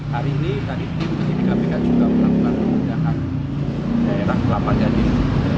hari ini tadi tim penyidik kpk juga melakukan penindakan daerah kelapa gading